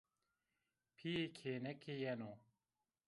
Pîyê kêneke yeno